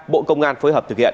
bộ công an phối hợp thực hiện